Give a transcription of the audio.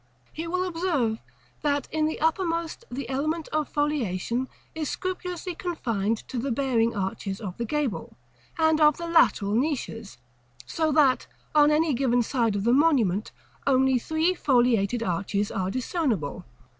He will observe that in the uppermost the element of foliation is scrupulously confined to the bearing arches of the gable, and of the lateral niches, so that, on any given side of the monument, only three foliated arches are discernible.